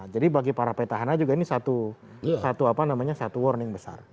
jadi bagi para petahana juga ini satu warning besar